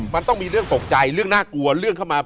มันต้องมีเรื่องตกใจเรื่องน่ากลัวเรื่องเข้ามา